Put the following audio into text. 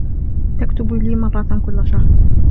تكتب لي مرةً كل شهر.